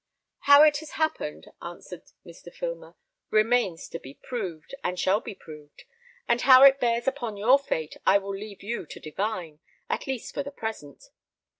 "How it has happened," answered Mr. Filmer, "remains to be proved, and shall be proved; and how it bears upon your fate, I will leave you to divine, at least for the present.